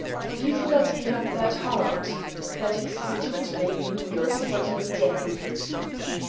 Have you forgotten you have a bad heart?—that excitement may mean your sudden death?"